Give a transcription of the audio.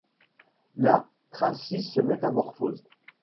Là, Traci se métamorphose.